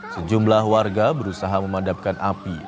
sejumlah warga berusaha memadamkan api